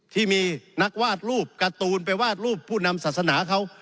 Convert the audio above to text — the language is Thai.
ที่มีนักวาดรูปการ์ตูนไปวาดรูปผู้นำศาสนาเขา